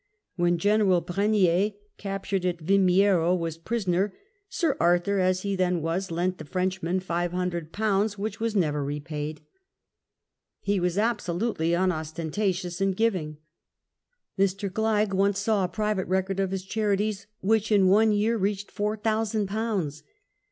When General Brenier, captured at Vimiero, was a prisoner. Sir Arthur, as he then was, lent the Frenchman five hundred pounds, which were never repaid. He was absolutely unosten tatious in giving. Mr. Gleig once saw a private record XI HIS LAST YEARS 253 of his charities which in one year reached four thousand pounds.